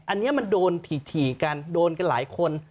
อันนี้มันโดนถี่กันโดนกันหลายคน